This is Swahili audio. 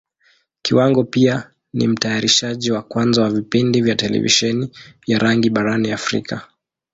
Kiwango pia ni Mtayarishaji wa kwanza wa vipindi vya Televisheni ya rangi barani Africa.